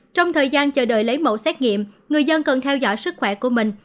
trong thời gian chờ đợi lấy mẫu xét nghiệm người dân cần theo dõi sức khỏe của mình